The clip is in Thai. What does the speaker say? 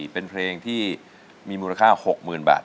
เป็นเพลงที่มีมูลค่า๖๐๐๐บาท